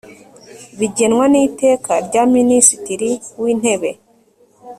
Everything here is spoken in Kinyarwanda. bigenwa n Iteka rya Minisitiri w Intebe